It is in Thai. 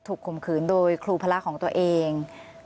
ถูกคุมขืนโดยคลูพระล่าของตัวเอง